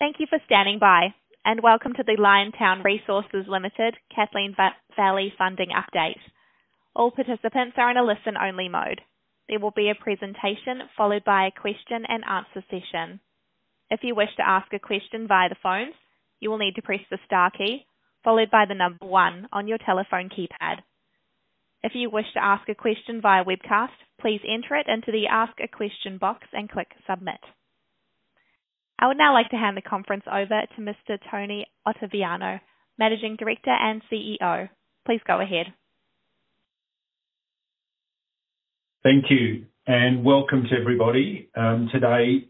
Thank you for standing by, and welcome to the Liontown Resources Limited Kathleen Valley Funding Update. All participants are in a listen-only mode. There will be a presentation followed by a question and answer session. If you wish to ask a question via the phone, you will need to press the star key followed by the number one on your telephone keypad. If you wish to ask a question via webcast, please enter it into the Ask a Question box and click Submit. I would now like to hand the conference over to Mr. Tony Ottaviano, Managing Director and CEO. Please go ahead. Thank you, and welcome to everybody. Today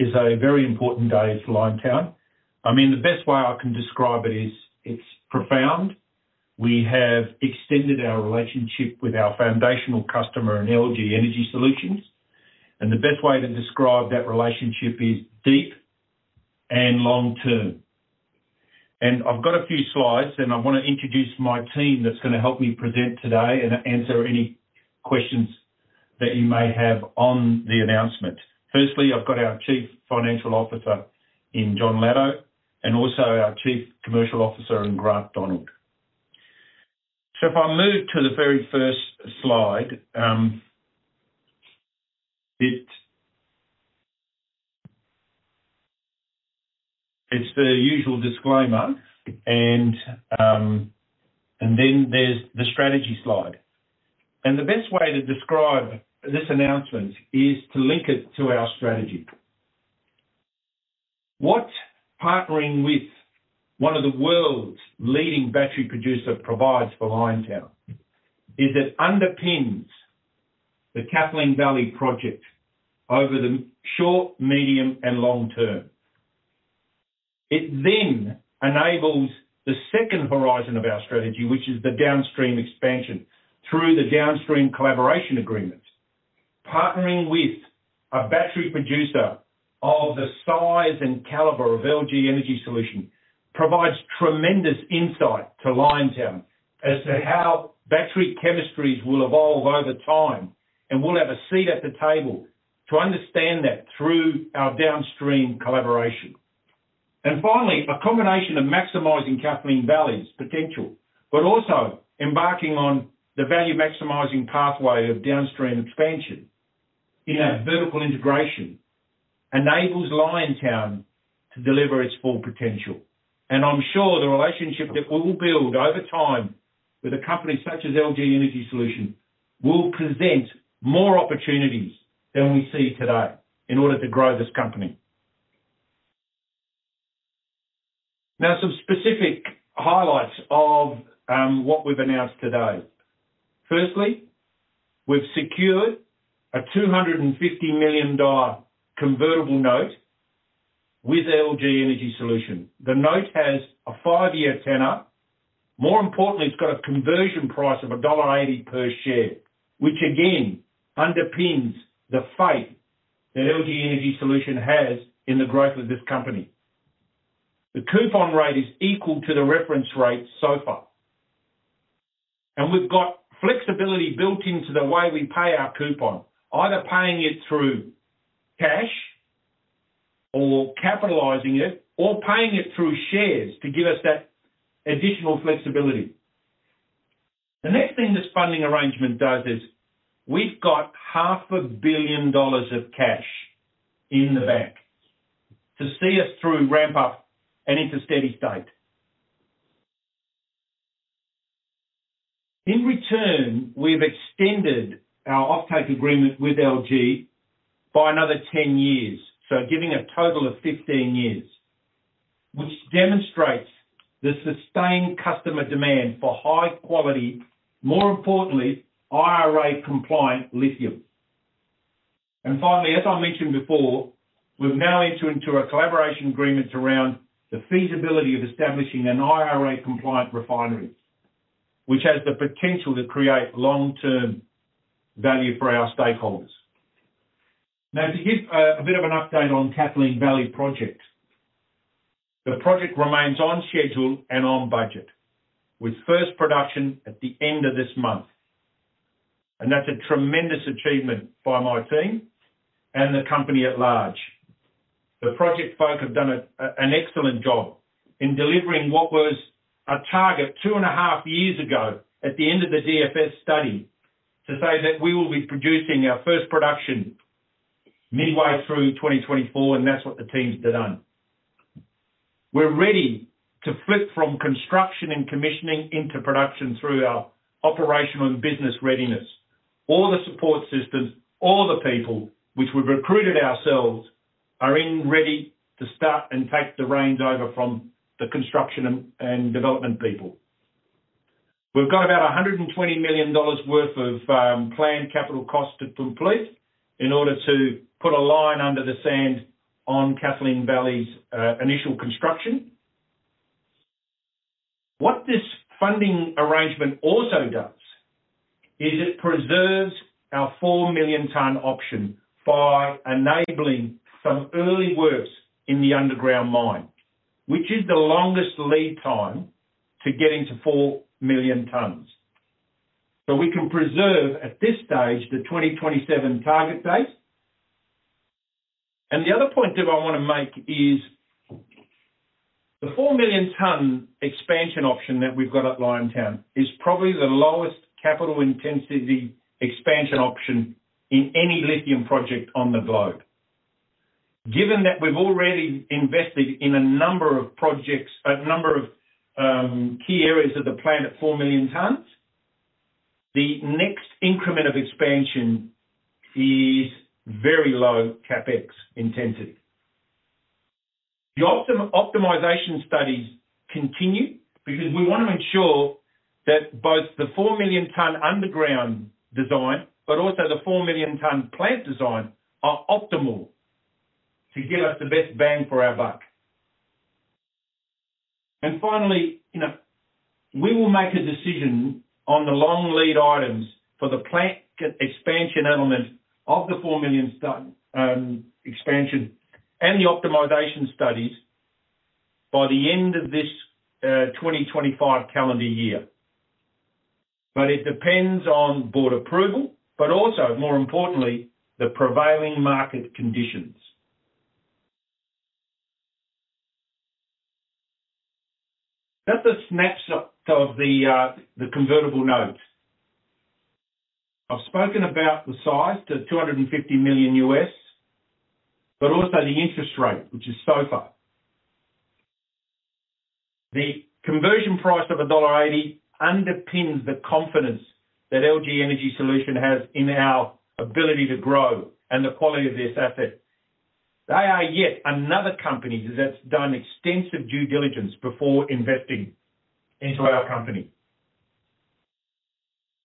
is a very important day for Liontown. I mean, the best way I can describe it is, it's profound. We have extended our relationship with our foundational customer and LG Energy Solution, and the best way to describe that relationship is deep and long-term. And I've got a few slides, and I wanna introduce my team that's gonna help me present today and answer any questions that you may have on the announcement. Firstly, I've got our Chief Financial Officer, Jon Latto, and also our Chief Commercial Officer, Grant Donald. So if I move to the very first slide, it's the usual disclaimer, and then there's the strategy slide. And the best way to describe this announcement is to link it to our strategy. What partnering with one of the world's leading battery producer provides for Liontown is it underpins the Kathleen Valley Project over the short, medium, and long term. It then enables the second horizon of our strategy, which is the downstream expansion, through the downstream collaboration agreement. Partnering with a battery producer of the size and caliber of LG Energy Solution provides tremendous insight to Liontown as to how battery chemistries will evolve over time, and we'll have a seat at the table to understand that through our downstream collaboration. Finally, a combination of maximizing Kathleen Valley's potential, but also embarking on the value-maximizing pathway of downstream expansion in our vertical integration, enables Liontown to deliver its full potential. I'm sure the relationship that we will build over time with a company such as LG Energy Solution will present more opportunities than we see today in order to grow this company. Now, some specific highlights of what we've announced today. Firstly, we've secured a $250 million convertible note with LG Energy Solution. The note has a five-year tenor. More importantly, it's got a conversion price of a $1.80 per share, which again underpins the faith that LG Energy Solution has in the growth of this company. The coupon rate is equal to SOFR, and we've got flexibility built into the way we pay our coupon, either paying it through cash or capitalizing it or paying it through shares to give us that additional flexibility. The next thing this funding arrangement does is, we've got $500 million of cash in the bank to see us through ramp up and into steady state. In return, we've extended our offtake agreement with LG by another 10 years, so giving a total of 15 years, which demonstrates the sustained customer demand for high quality, more importantly, IRA-compliant lithium. And finally, as I mentioned before, we've now entered into a collaboration agreement around the feasibility of establishing an IRA-compliant refinery, which has the potential to create long-term value for our stakeholders. Now, to give a bit of an update on Kathleen Valley Project. The project remains on schedule and on budget, with first production at the end of this month. And that's a tremendous achievement by my team and the company at large. The project folk have done an excellent job in delivering what was a target two and a half years ago at the end of the DFS study, to say that we will be producing our first production midway through 2024, and that's what the team's done. We're ready to flip from construction and commissioning into production through our operational and business readiness. All the support systems, all the people which we've recruited ourselves, are in ready to start and take the reins over from the construction and development people. We've got about $120 million worth of planned capital cost to complete in order to put a line under the sand on Kathleen Valley's initial construction. What this funding arrangement also does is it preserves our 4 million ton option by enabling some early works in the underground mine, which is the longest lead time to getting to 4 million tons. So we can preserve, at this stage, the 2027 target date. And the other point that I want to make is, the 4 million ton expansion option that we've got at Liontown is probably the lowest capital intensity expansion option in any lithium project on the globe. Given that we've already invested in a number of projects, a number of key areas of the plant at 4 million tons, the next increment of expansion is very low CapEx intensity. The optimization studies continue, because we want to ensure that both the 4 million ton underground design, but also the 4 million ton plant design, are optimal to get us the best bang for our buck. And finally, you know, we will make a decision on the long lead items for the plant expansion element of the 4 million ton expansion, and the optimization studies by the end of this 2025 calendar year. But it depends on board approval, but also, more importantly, the prevailing market conditions. Just a snapshot of the convertible note. I've spoken about the size, the $250 million, but also the interest rate, which is SOFR. The conversion price of a $1.80 underpins the confidence that LG Energy Solution has in our ability to grow and the quality of this asset. They are yet another company that's done extensive due diligence before investing into our company.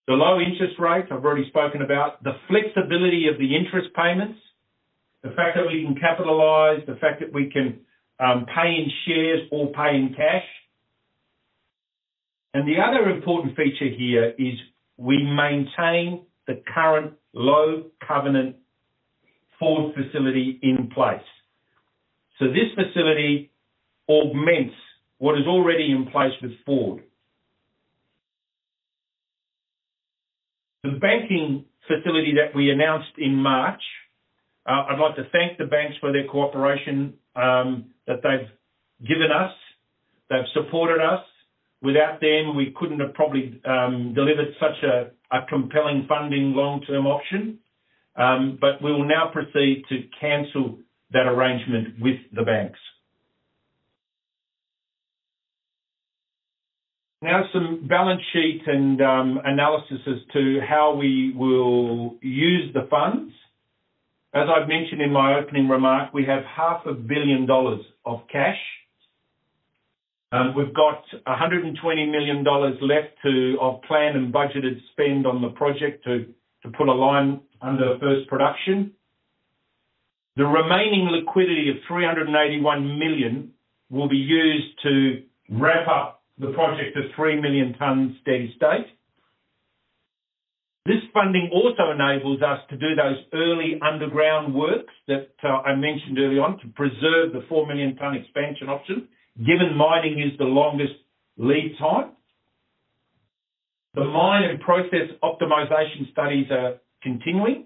The low interest rates, I've already spoken about. The flexibility of the interest payments, the fact that we can capitalize, the fact that we can pay in shares or pay in cash. And the other important feature here is we maintain the current low covenant Ford facility in place. So this facility augments what is already in place with Ford. The banking facility that we announced in March, I'd like to thank the banks for their cooperation that they've given us. They've supported us. Without them, we couldn't have probably delivered such a compelling funding long-term option, but we will now proceed to cancel that arrangement with the banks. Now, some balance sheet and analysis as to how we will use the funds. As I've mentioned in my opening remark, we have $500,000 of cash. We've got $120 million left of planned and budgeted spend on the project to put a line under first production. The remaining liquidity of $381 million will be used to wrap up the project of 3 million tons steady state. This funding also enables us to do those early underground works that I mentioned early on, to preserve the 4 million ton expansion option, given mining is the longest lead time. The mine and process optimization studies are continuing,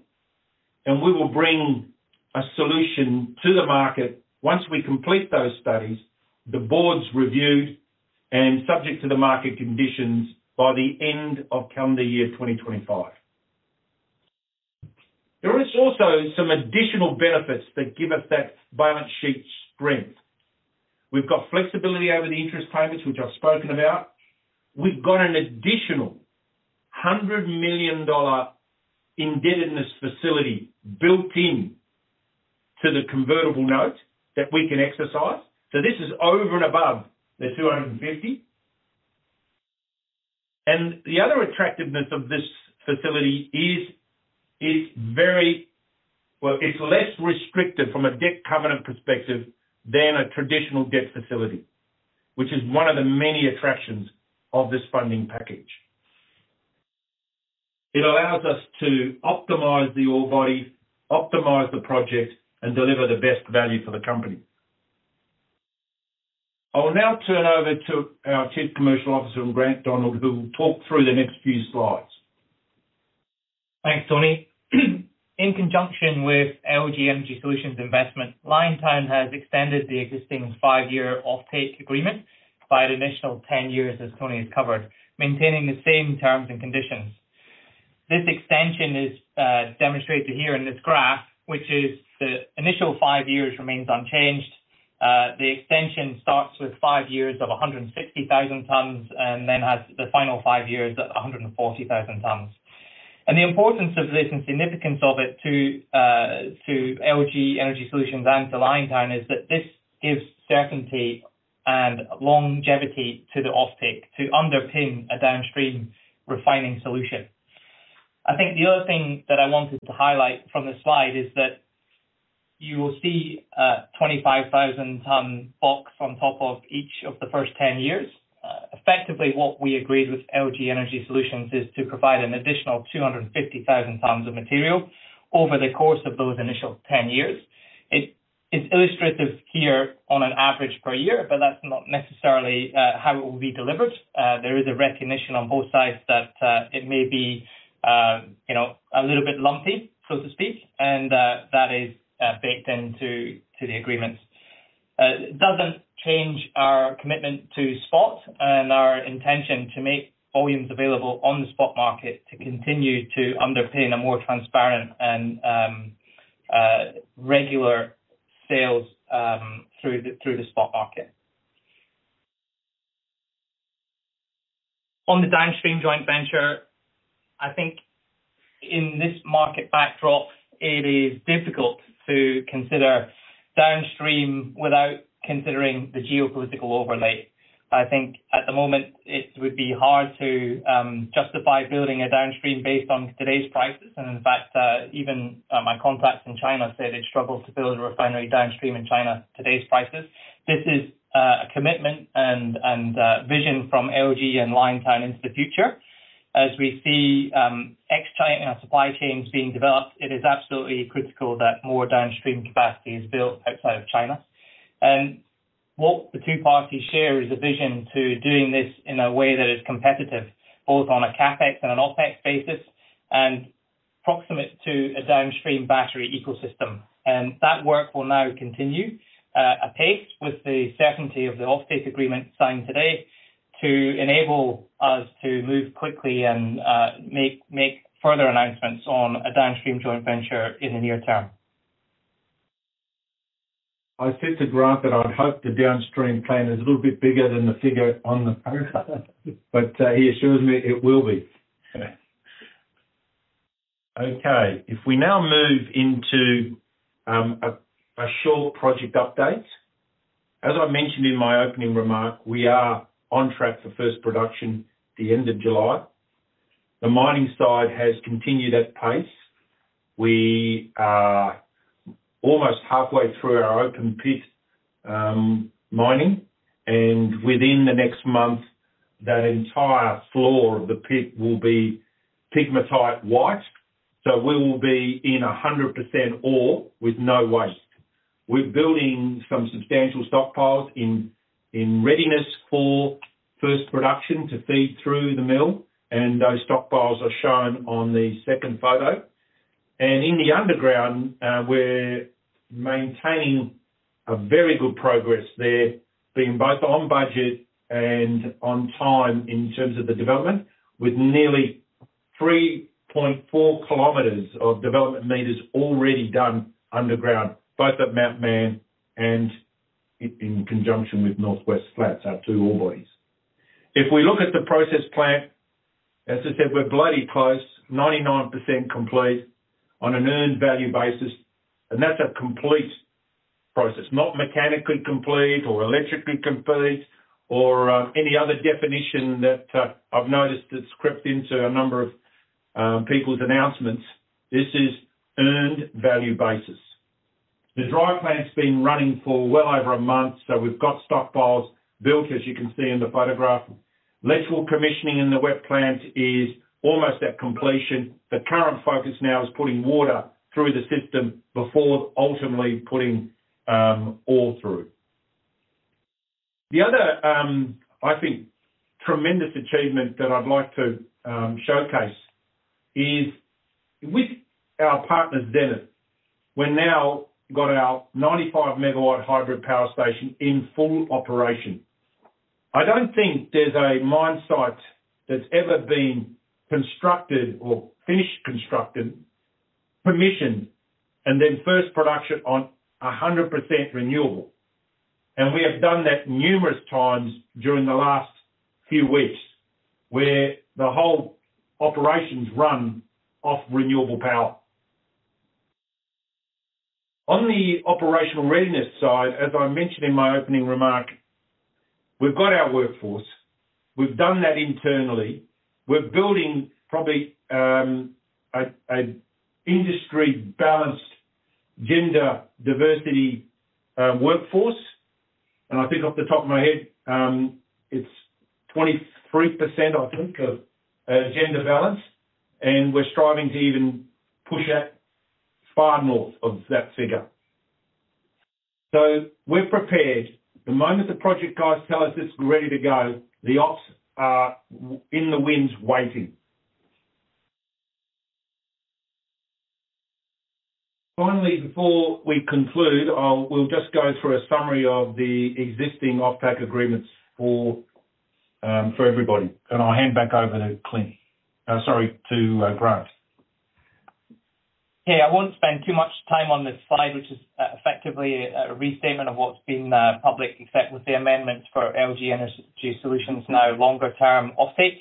and we will bring a solution to the market once we complete those studies, the board reviewed, and subject to the market conditions by the end of calendar year 2025. There is also some additional benefits that give us that balance sheet strength. We've got flexibility over the interest payments, which I've spoken about. We've got an additional $100 million indebtedness facility built in to the convertible note that we can exercise, so this is over and above the $250 million. And the other attractiveness of this facility is, it's very well, it's less restricted from a debt covenant perspective than a traditional debt facility, which is one of the many attractions of this funding package. It allows us to optimize the ore bodies, optimize the project, and deliver the best value for the company. I will now turn over to our Chief Commercial Officer, Grant Donald, who will talk through the next few slides. Thanks, Tony. In conjunction with LG Energy Solutions investment, Liontown has extended the existing five-year offtake agreement by an additional 10 years, as Tony has covered, maintaining the same terms and conditions. This extension is, demonstrated here in this graph, which is the initial five years remains unchanged. The extension starts with five years of 160,000 tons, and then has the final five years at 140,000 tons. And the importance of this and significance of it to, to LG Energy Solutions and to Liontown, is that this gives certainty and longevity to the offtake to underpin a downstream refining solution. I think the other thing that I wanted to highlight from the slide is that you will see a 25,000-ton box on top of each of the first 10 years. Effectively, what we agreed with LG Energy Solutions is to provide an additional 250,000 tons of material over the course of those initial 10 years. It's illustrative here on an average per year, but that's not necessarily how it will be delivered. There is a recognition on both sides that it may be, you know, a little bit lumpy, so to speak, and that is baked into the agreements. It doesn't change our commitment to spot and our intention to make volumes available on the spot market, to continue to underpin a more transparent and regular sales through the spot market. On the downstream joint venture, I think in this market backdrop, it is difficult to consider downstream without considering the geopolitical overlay. I think at the moment, it would be hard to justify building a downstream based on today's prices. And in fact, even my contacts in China say they struggle to build a refinery downstream in China, today's prices. This is a commitment and vision from LG and Liontown into the future. As we see ex-China supply chains being developed, it is absolutely critical that more downstream capacity is built outside of China. And what the two parties share is a vision to doing this in a way that is competitive, both on a CapEx and an OpEx basis, and proximate to a downstream battery ecosystem. And that work will now continue apace with the certainty of the offtake agreement signed today, to enable us to move quickly and make further announcements on a downstream joint venture in the near term. I said to Grant that I'd hope the downstream plan is a little bit bigger than the figure on the power, but he assures me it will be. Okay, if we now move into a short project update. As I mentioned in my opening remark, we are on track for first production, the end of July. The mining side has continued at pace. We are almost halfway through our open pit mining, and within the next month, that entire floor of the pit will be pegmatite white, so we will be in 100% ore with no waste. We're building some substantial stockpiles in readiness for first production to feed through the mill, and those stockpiles are shown on the second photo. In the underground, we're maintaining very good progress there, being both on budget and on time in terms of the development, with nearly 3.4 km of development meters already done underground, both at Mount Mann and in conjunction with Northwest Flats, our two ore bodies. If we look at the process plant, as I said, we're bloody close, 99% complete on an earned value basis, and that's a complete process, not mechanically complete or electrically complete, or any other definition that I've noticed that's crept into a number of people's announcements. This is earned value basis. The dry plant's been running for well over a month, so we've got stockpiles built, as you can see in the photograph. Wet commissioning in the wet plant is almost at completion. The current focus now is putting water through the system before ultimately putting ore through. The other, I think, tremendous achievement that I'd like to showcase is with our partners, Zenith, we're now got our 95 MW hybrid power station in full operation. I don't think there's a mine site that's ever been constructed or finished constructed, permissioned, and then first production on 100% renewable. And we have done that numerous times during the last few weeks, where the whole operations run off renewable power. On the operational readiness side, as I mentioned in my opening remark, we've got our workforce. We've done that internally. We're building probably a industry balanced, gender diversity workforce. I think off the top of my head, it's 23%, I think, of gender balance, and we're striving to even push that far north of that figure. So we're prepared. The moment the project guys tell us it's ready to go, the ops are waiting in the wings. Finally, before we conclude, we'll just go through a summary of the existing offtake agreements for everybody, and I'll hand back over to Clint. Sorry, to Grant. Yeah, I won't spend too much time on this slide, which is effectively a restatement of what's been public, except with the amendments for LG Energy Solutions' now longer-term offtake.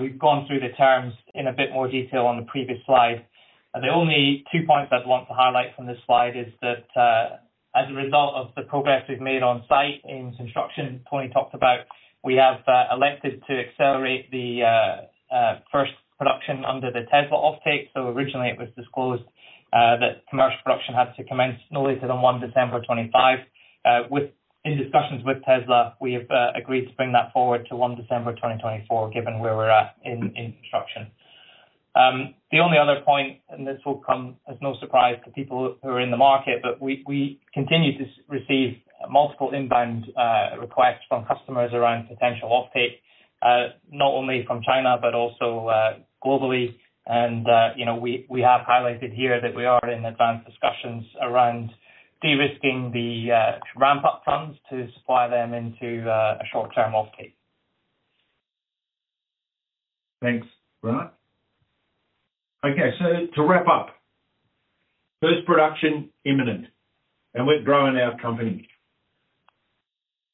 We've gone through the terms in a bit more detail on the previous slide. The only two points I'd want to highlight from this slide is that, as a result of the progress we've made on site in construction, Tony talked about, we have elected to accelerate the first production under the Tesla offtake. So originally, it was disclosed that commercial production had to commence no later than 1 December 2025. Within discussions with Tesla, we have agreed to bring that forward to 1 December 2024, given where we're at in construction. The only other point, and this will come as no surprise to people who are in the market, but we, we continue to receive multiple inbound requests from customers around potential offtake, not only from China but also, globally. You know, we, we have highlighted here that we are in advanced discussions around de-risking the ramp-up funds to supply them into a short-term offtake. Thanks, Grant. Okay, so to wrap up, first production imminent, and we're growing our company.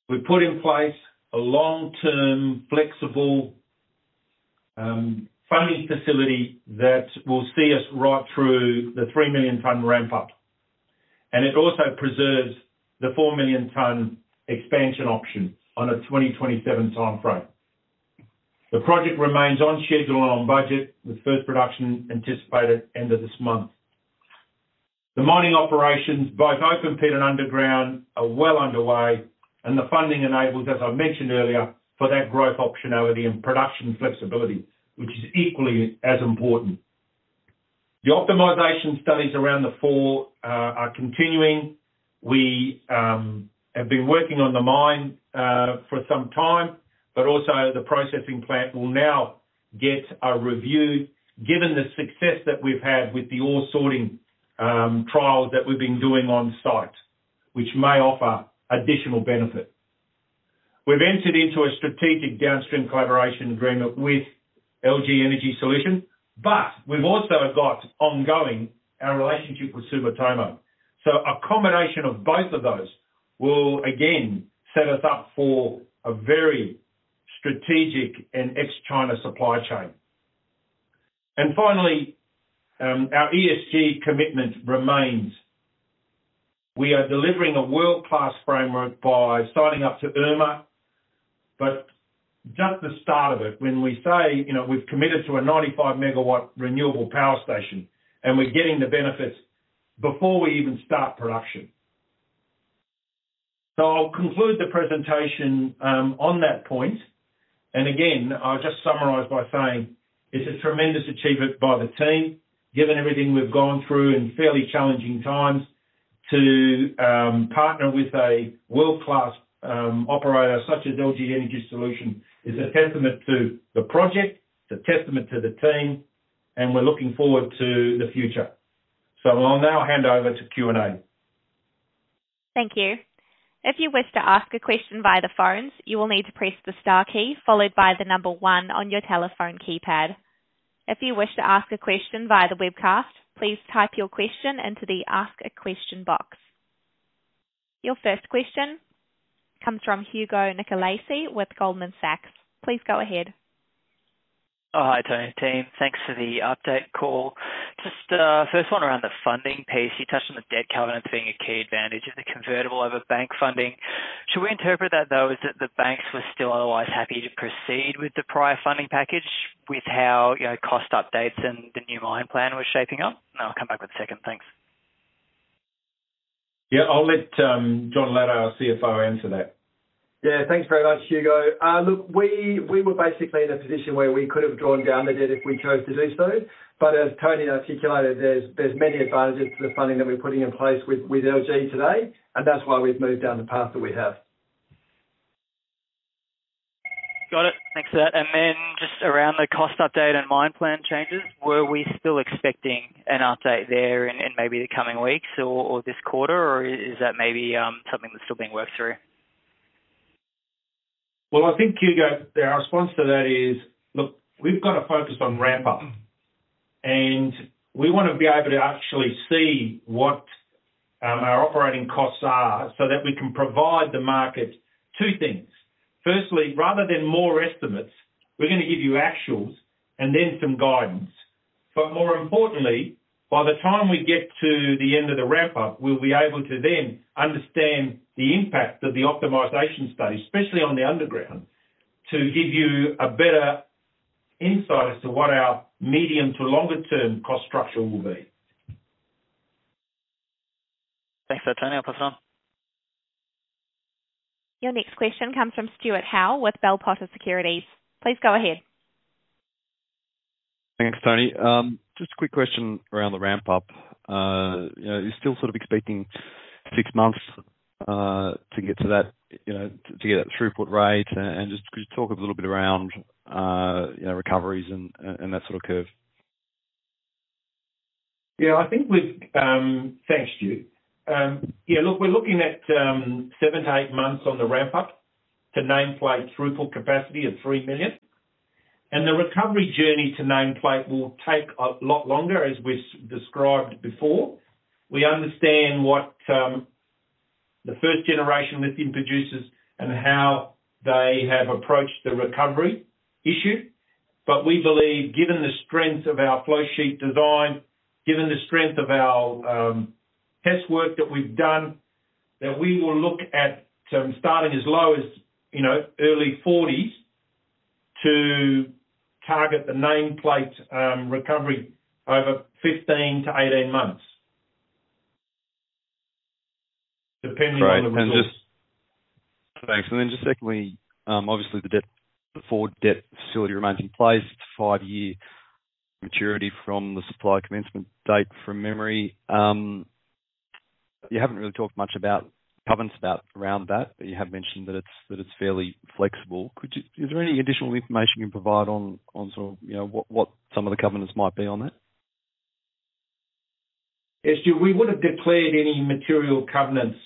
We've put in place a long-term, flexible, funding facility that will see us right through the 3 million ton ramp-up, and it also preserves the 4 million ton expansion option on a 2027 timeframe. The project remains on schedule and on budget, with first production anticipated end of this month. The mining operations, both open pit and underground, are well underway, and the funding enables, as I mentioned earlier, for that growth optionality and production flexibility, which is equally as important. The optimization studies around the four, are continuing. We have been working on the mine for some time, but also the processing plant will now get a review, given the success that we've had with the ore sorting trials that we've been doing on site, which may offer additional benefit. We've entered into a strategic downstream collaboration agreement with LG Energy Solution, but we've also got ongoing our relationship with Sumitomo. So a combination of both of those will again set us up for a very strategic and ex-China supply chain. And finally, our ESG commitment remains. We are delivering a world-class framework by signing up to IRMA, but just the start of it. When we say, you know, we've committed to a 95 MW renewable power station, and we're getting the benefits before we even start production. I'll conclude the presentation on that point, and again, I'll just summarize by saying this is a tremendous achievement by the team, given everything we've gone through in fairly challenging times. To partner with a world-class operator such as LG Energy Solution is a testament to the project, it's a testament to the team, and we're looking forward to the future. So I'll now hand over to Q&A. Thank you. If you wish to ask a question via the phones, you will need to press the star key followed by the number one on your telephone keypad. If you wish to ask a question via the webcast, please type your question into the Ask a Question box. Your first question comes from Hugo Nicolaci with Goldman Sachs. Please go ahead. Oh, hi, Tony, team. Thanks for the update call. Just first one around the funding piece. You touched on the debt covenants being a key advantage of the convertible over bank funding. Should we interpret that, though, is that the banks were still otherwise happy to proceed with the prior funding package, with how, you know, cost updates and the new mine plan was shaping up? And I'll come back with second. Thanks. Yeah, I'll let John Lado, our CFO, answer that. Yeah, thanks very much, Hugo. Look, we were basically in a position where we could have drawn down the debt if we chose to do so. But as Tony articulated, there's many advantages to the funding that we're putting in place with LG today, and that's why we've moved down the path that we have. Got it. Thanks for that. And then just around the cost update and mine plan changes, were we still expecting an update there in maybe the coming weeks or this quarter? Or is that maybe something that's still being worked through? Well, I think, Hugo, our response to that is, look, we've got to focus on ramp up, and we want to be able to actually see what our operating costs are so that we can provide the market two things. Firstly, rather than more estimates, we're going to give you actuals and then some guidance. But more importantly, by the time we get to the end of the ramp-up, we'll be able to then understand the impact of the optimization study, especially on the underground, to give you a better insight as to what our medium to longer term cost structure will be. Thanks for that, Tony. I'll pass on. Your next question comes from Stuart Howe with Bell Potter Securities. Please go ahead. Thanks, Tony. Just a quick question around the ramp-up. You know, are you still sort of expecting six months to get to that, you know, to get that throughput rate? And just could you talk a little bit around, you know, recoveries and that sort of curve? Yeah, I think we've... Thanks, Stuart. Yeah, look, we're looking at 7-8 months on the ramp-up to nameplate throughput capacity of 3 million. And the recovery journey to nameplate will take a lot longer, as we've described before. We understand what the first generation lithium producers and how they have approached the recovery issue. But we believe, given the strength of our flow sheet design, given the strength of our test work that we've done, that we will look at starting as low as, you know, early 40s to target the nameplate recovery over 15-18 months.... Depending on the results. Thanks. And then just secondly, obviously the debt, the Ford debt facility remains in place, five-year maturity from the supply commencement date, from memory. You haven't really talked much about covenants about around that, but you have mentioned that it's, that it's fairly flexible. Could you- is there any additional information you can provide on, on, sort of, you know, what, what some of the covenants might be on that? Yes, Stu, we would've declared any material covenants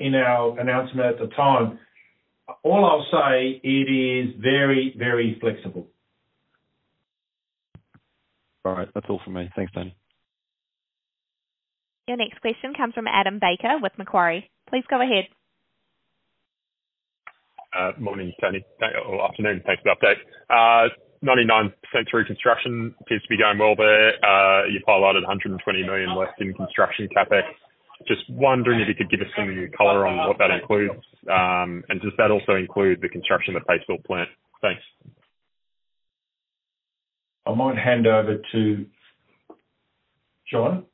in our announcement at the time. All I'll say, it is very, very flexible. All right. That's all for me. Thanks, Tony. Your next question comes from Adam Baker with Macquarie. Please go ahead. Morning, Tony. Or afternoon. Thanks for the update. 99% through construction appears to be going well there. You've highlighted $120 million left in construction CapEx. Just wondering if you could give us some color on what that includes, and does that also include the construction of the Phase 1 mill plant? Thanks. I might hand over to John,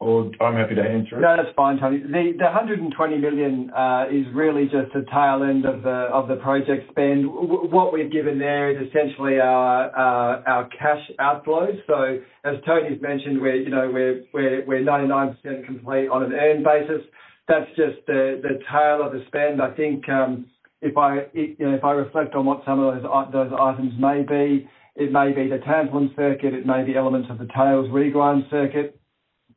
or I'm happy to answer it. No, that's fine, Tony. The $120 million is really just the tail end of the project spend. What we've given there is essentially our cash outflows. So, as Tony's mentioned, we're, you know, we're ninety-nine percent complete on an earned value basis. That's just the tail of the spend. I think, you know, if I reflect on what some of those items may be, it may be the tailings circuit, it may be elements of the tails regrind circuit.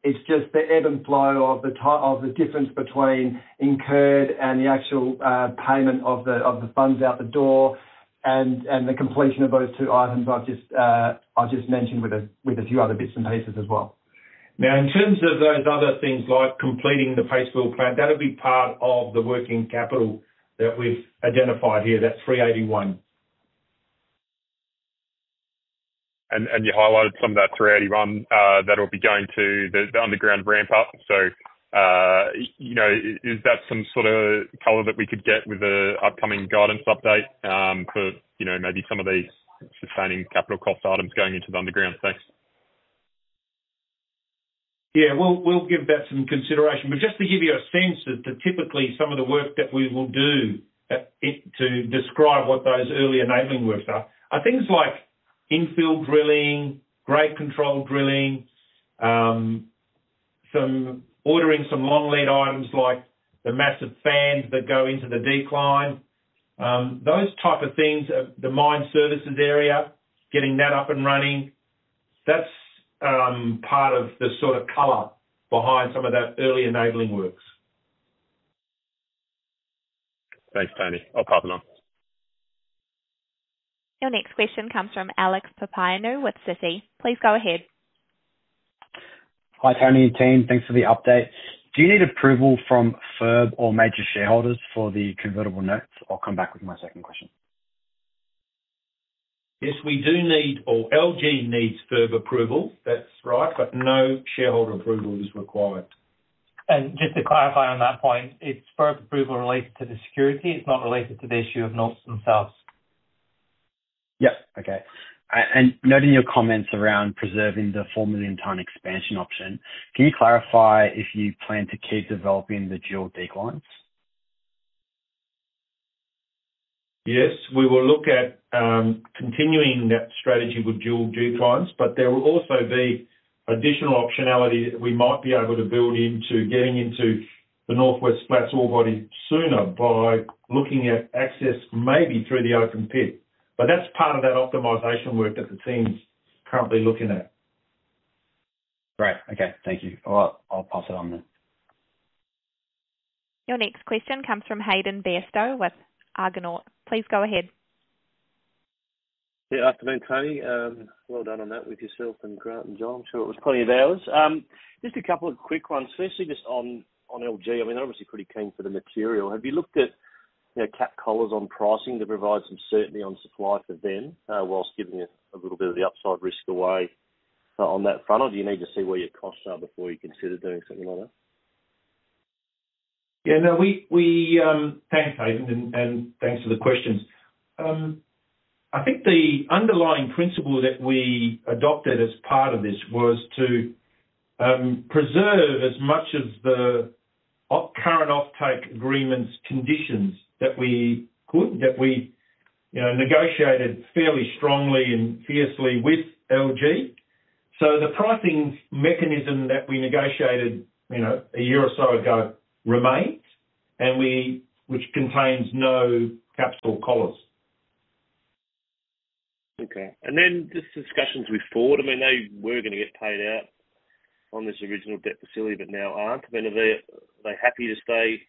It's just the ebb and flow of the difference between incurred and the actual payment of the funds out the door, and the completion of those two items I've just mentioned with a few other bits and pieces as well. Now, in terms of those other things, like completing the flotation mill plant, that'll be part of the working capital that we've identified here, that's $381. And you highlighted some of that $381, that'll be going to the underground ramp up. So you know, is that some sort of color that we could get with the upcoming guidance update, for you know, maybe some of these sustaining capital cost items going into the underground? Thanks. Yeah. We'll, we'll give that some consideration. But just to give you a sense that, that typically some of the work that we will do at it, to describe what those early enabling works are, are things like infill drilling, grade control drilling, some ordering some long-lead items, like the massive fans that go into the decline. Those type of things, the mine services area, getting that up and running, that's part of the sort of color behind some of that early enabling works. Thanks, Tony. I'll pass it on. Your next question comes from Alex Papaioanou with Citi. Please go ahead. Hi, Tony and team. Thanks for the update. Do you need approval from FIRB or major shareholders for the convertible notes? I'll come back with my second question. Yes, we do need, or LG needs FIRB approval. That's right, but no shareholder approval is required. Just to clarify on that point, it's FIRB approval related to the security. It's not related to the issue of notes themselves. Yep. Okay. And noting your comments around preserving the 4 million ton expansion option, can you clarify if you plan to keep developing the dual declines? Yes, we will look at continuing that strategy with dual declines, but there will also be additional optionality that we might be able to build into getting into the Northwest Flats ore body sooner by looking at access maybe through the open pit. But that's part of that optimization work that the team's currently looking at. Great. Okay. Thank you. I'll pass it on then. Your next question comes from Hayden Bairstow with Argonaut. Please go ahead. Yeah, afternoon, Tony. Well done on that with yourself and Grant and John. I'm sure it was plenty of hours. Just a couple of quick ones. Firstly, just on LG. I mean, they're obviously pretty keen for the material. Have you looked at, you know, cap collars on pricing to provide some certainty on supply for them, whilst giving a little bit of the upside risk away, on that front? Or do you need to see where your costs are before you consider doing something like that? Yeah, no. Thanks, Hayden, and thanks for the questions. I think the underlying principle that we adopted as part of this was to preserve as much of the current offtake agreement's conditions that we could, that we, you know, negotiated fairly strongly and fiercely with LG. So the pricing mechanism that we negotiated, you know, a year or so ago, remains, and we, which contains no capital collars. Okay, and then just discussions with Ford. I mean, they were going to get paid out on this original debt facility, but now aren't. I mean, are they, are they happy to stay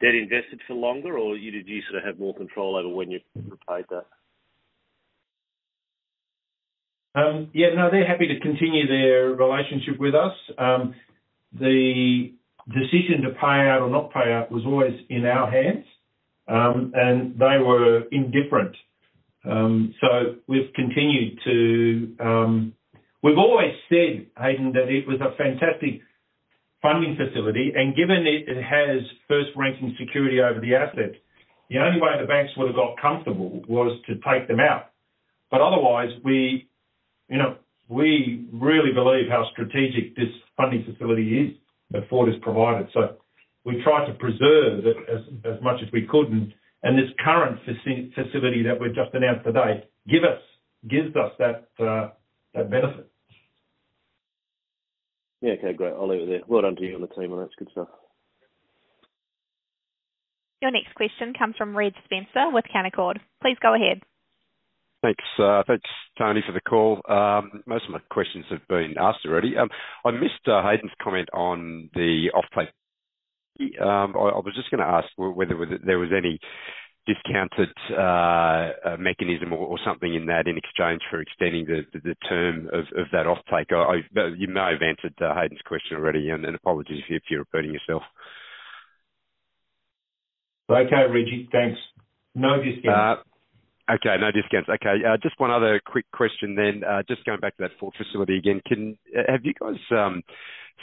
debt invested for longer, or you, do you sort of have more control over when you've repaid that? Yeah, no, they're happy to continue their relationship with us. The decision to pay out or not pay out was always in our hands, and they were indifferent. So we've continued to... We've always said, Hayden, that it was a fantastic funding facility, and given it, it has first-ranking security over the asset, the only way the banks would have got comfortable was to take them out.... But otherwise, you know, we really believe how strategic this funding facility is that Ford has provided. So we try to preserve it as much as we could, and this current facility that we've just announced today gives us that benefit. Yeah. Okay, great. I'll leave it there. Well done to you and the team, and that's good stuff. Your next question comes from Reg Spencer with Canaccord. Please go ahead. Thanks, thanks, Tony, for the call. Most of my questions have been asked already. I missed Hayden's comment on the offtake. I was just gonna ask whether there was any discounted mechanism or something in that in exchange for extending the term of that offtake? You may have answered Hayden's question already, and apologies if you're repeating yourself. Okay, Reg, thanks. No discount. Okay, no discount. Okay, just one other quick question then. Just going back to that Ford facility again, have you guys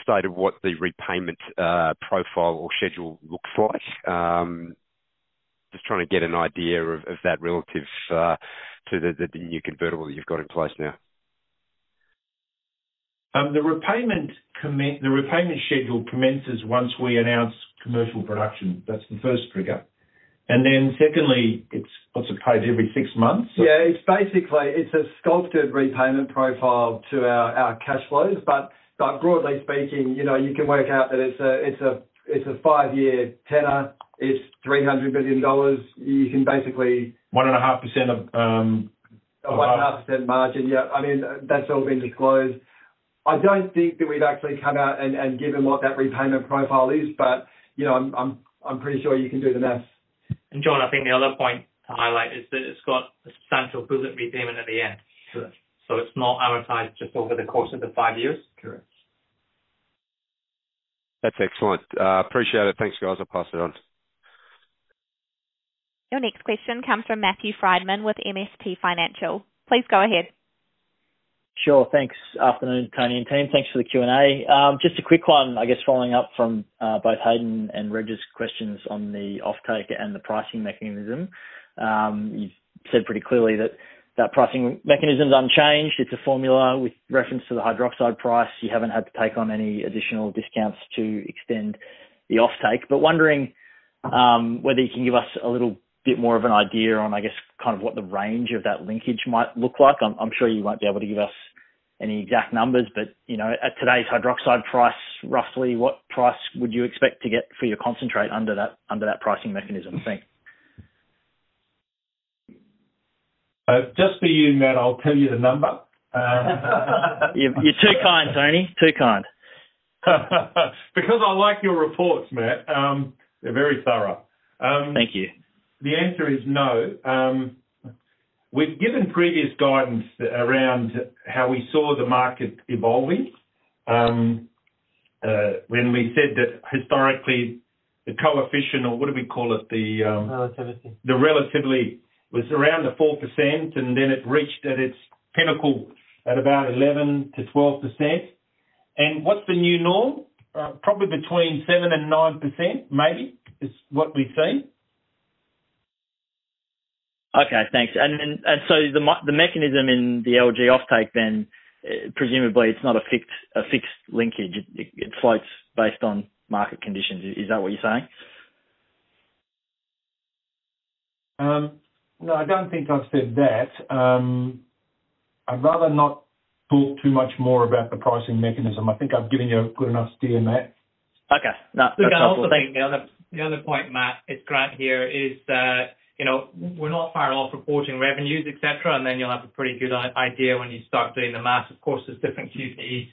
stated what the repayment profile or schedule looks like? Just trying to get an idea of that relative to the new convertible you've got in place now. The repayment schedule commences once we announce commercial production. That's the first trigger. And then secondly, it's also paid every six months? Yeah, it's basically a sculpted repayment profile to our cash flows. But broadly speaking, you know, you can work out that it's a five-year tenor. It's $300 billion. You can basically- 1.5% of 1.5% margin. Yeah. I mean, that's all been disclosed. I don't think that we've actually come out and given what that repayment profile is, but, you know, I'm pretty sure you can do the math. John, I think the other point to highlight is that it's got a substantial bullet repayment at the end. Correct. It's not amortized just over the course of the five years. Correct. That's excellent. Appreciate it. Thanks, guys. I'll pass it on. Your next question comes from Matthew Frydman with MST Financial. Please go ahead. Sure. Thanks. Afternoon, Tony and team. Thanks for the Q&A. Just a quick one, I guess, following up from both Hayden and Reed's questions on the offtake and the pricing mechanism. You've said pretty clearly that that pricing mechanism's unchanged. It's a formula with reference to the hydroxide price. You haven't had to take on any additional discounts to extend the offtake, but wondering whether you can give us a little bit more of an idea on, I guess, kind of what the range of that linkage might look like. I'm sure you won't be able to give us any exact numbers, but, you know, at today's hydroxide price, roughly what price would you expect to get for your concentrate under that pricing mechanism? Thanks. Just for you, Matt, I'll tell you the number. You, you're too kind, Tony. Too kind. Because I like your reports, Matt. They're very thorough. Thank you. The answer is no. We've given previous guidance around how we saw the market evolving. When we said that historically, the coefficient, or what do we call it? The Relativity. The recovery was around the 4%, and then it reached at its pinnacle at about 11%-12%. What's the new norm? Probably between 7%-9%, maybe, is what we've seen. Okay. Thanks. And then, and so the mechanism in the LG offtake then, presumably it's not a fixed linkage, it floats based on market conditions. Is that what you're saying? No, I don't think I've said that. I'd rather not talk too much more about the pricing mechanism. I think I've given you a good enough steer, Matt. Okay. That's- The other point, Matt, it's Grant here, is that, you know, we're not far off reporting revenues, et cetera, and then you'll have a pretty good idea when you start doing the math. Of course, there's different QPs,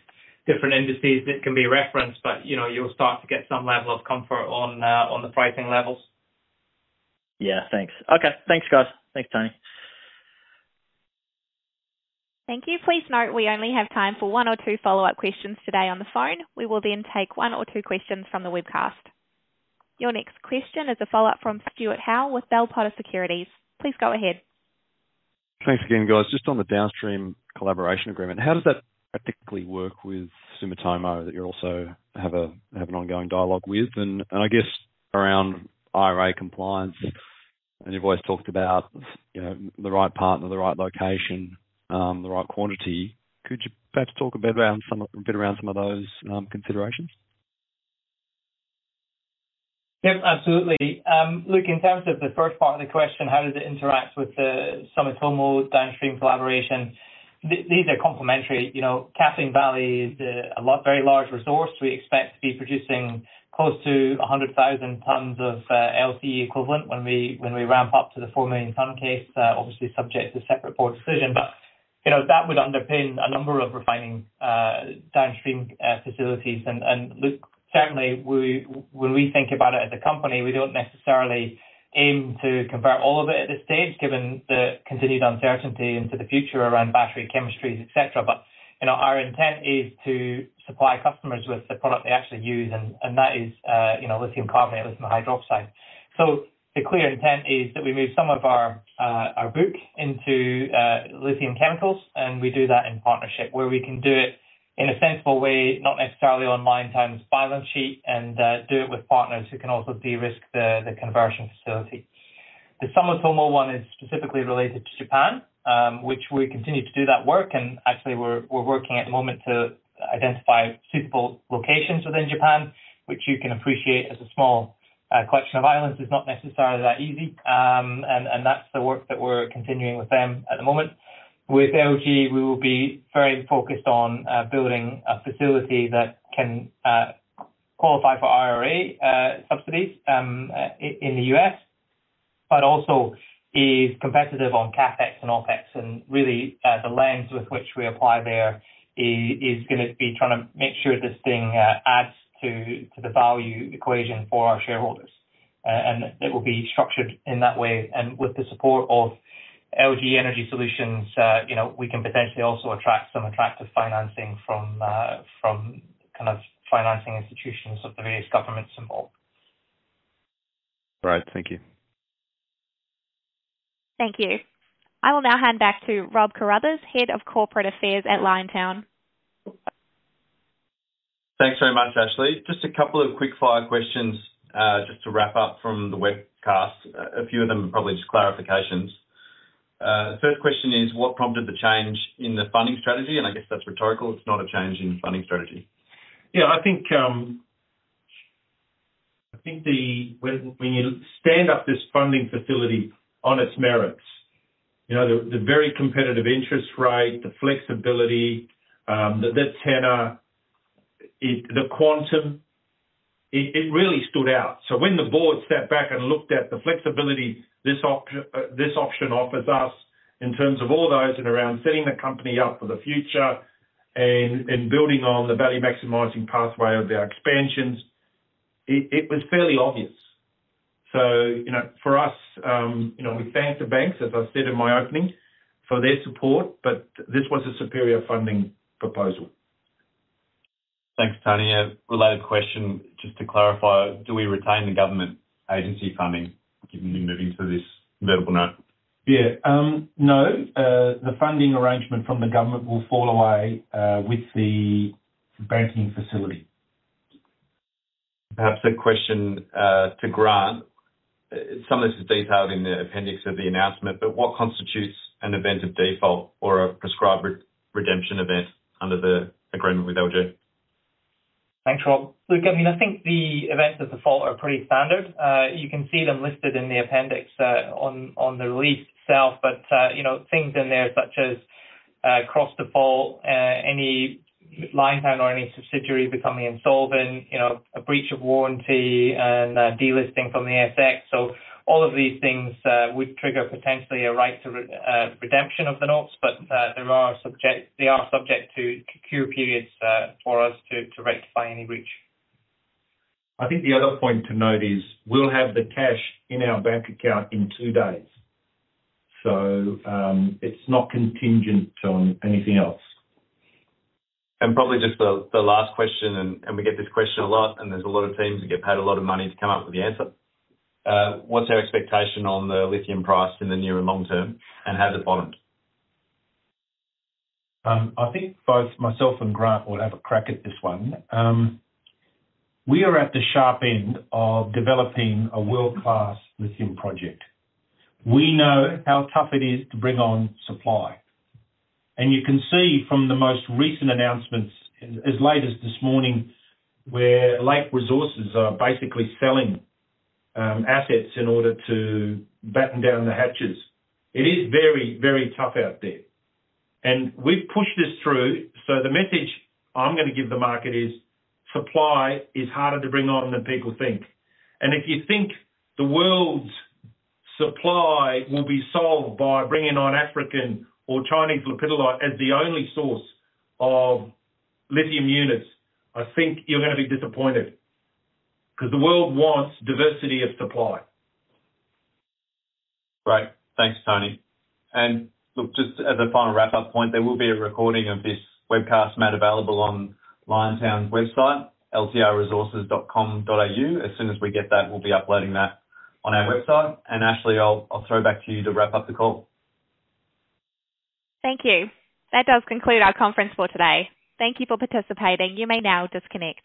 different indices that can be referenced, but, you know, you'll start to get some level of comfort on the pricing levels. Yeah, thanks. Okay, thanks, guys. Thanks, Tony. Thank you. Please note we only have time for one or two follow-up questions today on the phone. We will then take one or two questions from the webcast. Your next question is a follow-up from Stuart Howe with Bell Potter Securities. Please go ahead. Thanks again, guys. Just on the downstream collaboration agreement, how does that practically work with Sumitomo, that you also have a, have an ongoing dialogue with? And, and I guess around IRA compliance, and you've always talked about, you know, the right partner, the right location, the right quantity. Could you perhaps talk a bit around some of those considerations? Yep, absolutely. Look, in terms of the first part of the question, how does it interact with the Sumitomo downstream collaboration? These are complementary. You know, Kathleen Valley is a very large resource. We expect to be producing close to 100,000 tons of LCE equivalent when we ramp up to the 4 million ton case, obviously subject to separate board decision. But, you know, that would underpin a number of refining downstream facilities. And, look, certainly we, when we think about it as a company, we don't necessarily aim to convert all of it at this stage, given the continued uncertainty into the future around battery chemistries, et cetera. But, you know, our intent is to supply customers with the product they actually use, and that is, you know, lithium carbonate, lithium hydroxide. So the clear intent is that we move some of our, our book into, lithium chemicals, and we do that in partnership, where we can do it in a sensible way, not necessarily on Liontown's balance sheet, and, do it with partners who can also de-risk the, the conversion facility. The Sumitomo one is specifically related to Japan, which we continue to do that work, and actually we're, we're working at the moment to identify suitable locations within Japan, which you can appreciate as a small, collection of islands, is not necessarily that easy. And, and that's the work that we're continuing with them at the moment. With LG, we will be very focused on, building a facility that can, qualify for IRA, subsidies, in the U.S., but also is competitive on CapEx and OpEx. And really, the lens with which we apply there is gonna be trying to make sure this thing adds to the value equation for our shareholders. And it will be structured in that way. And with the support of LG Energy Solutions, you know, we can potentially also attract some attractive financing from kind of financing institutions of the various governments involved. Right. Thank you. Thank you. I will now hand back to Rob Carruthers, Head of Corporate Affairs at Liontown. Thanks very much, Ashley. Just a couple of quick-fire questions, just to wrap up from the webcast. A few of them are probably just clarifications. The first question is: What prompted the change in the funding strategy? I guess that's rhetorical, it's not a change in funding strategy. Yeah, I think, I think the... when, when you stand up this funding facility on its merits, you know, the, the very competitive interest rate, the flexibility, the, the tenor, it- the quantum, it, it really stood out. So when the board stepped back and looked at the flexibility this opt- this option offers us, in terms of all those and around setting the company up for the future and, and building on the value-maximizing pathway of our expansions, it, it was fairly obvious. So, you know, for us, you know, we thank the banks, as I said in my opening, for their support, but this was a superior funding proposal. Thanks, Tony. A related question, just to clarify, do we retain the government agency funding, given we're moving to this convertible note? Yeah. No, the funding arrangement from the government will fall away with the banking facility. Perhaps a question to Grant. Some of this is detailed in the appendix of the announcement, but what constitutes an event of default or a prescribed redemption event under the agreement with LG? Thanks, Rob. Look, I mean, I think the events of default are pretty standard. You can see them listed in the appendix, on the release itself, but, you know, things in there such as, cross default, any Liontown or any subsidiary becoming insolvent, you know, a breach of warranty and a delisting from the ASX. So all of these things would trigger potentially a right to redemption of the notes, but they are subject to cure periods for us to rectify any breach. I think the other point to note is, we'll have the cash in our bank account in two days. So, it's not contingent on anything else. And probably just the last question, and we get this question a lot, and there's a lot of teams that get paid a lot of money to come up with the answer. What's our expectation on the lithium price in the near and long term, and has it bottomed? I think both myself and Grant will have a crack at this one. We are at the sharp end of developing a world-class lithium project. We know how tough it is to bring on supply, and you can see from the most recent announcements, as late as this morning, where Lake Resources are basically selling assets in order to batten down the hatches. It is very, very tough out there, and we've pushed this through. So the message I'm gonna give the market is, supply is harder to bring on than people think. And if you think the world's supply will be solved by bringing on African or Chinese lepidolite as the only source of lithium units, I think you're gonna be disappointed, because the world wants diversity of supply. Great. Thanks, Tony. And look, just as a final wrap-up point, there will be a recording of this webcast made available on Liontown's website, ltrresources.com.au. As soon as we get that, we'll be uploading that on our website. And Ashley, I'll throw back to you to wrap up the call. Thank you. That does conclude our conference for today. Thank you for participating. You may now disconnect.